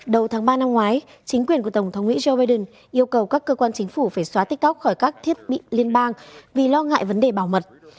đầu tháng ba năm ngoái chính quyền của tổng thống mỹ joe biden yêu cầu các cơ quan chính phủ phải xóa tiktok khỏi các thiết bị liên bang vì lo ngại vấn đề bảo mật